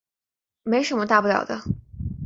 没什么大不了的